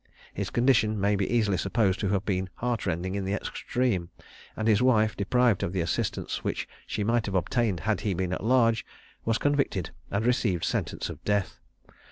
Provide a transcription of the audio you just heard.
His condition may be easily supposed to have been heart rending in the extreme; and his wife, deprived of the assistance which she might have obtained had he been at large, was convicted and received sentence of death.